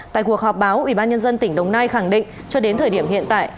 tại cuộc họp báo ubnd tỉnh đồng nai khẳng định cho đến thời điểm hiện tại